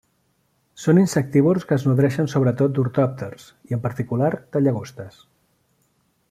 Són insectívors que es nodreixen sobretot d'ortòpters i, en particular, de llagostes.